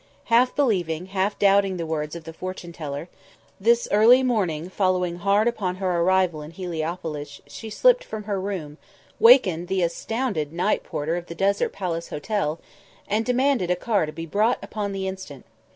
Half believing, half doubting the words of the fortune teller, this early morning following hard upon her arrival in Heliopolis she slipped from her room, wakened the astounded night porter of the Desert Palace Hotel, and demanded a car to be brought upon the instant.